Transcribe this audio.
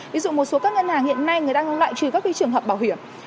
ví dụ một số các ngân hàng hiện nay người đang loại trừ các trường hợp bảo hiểm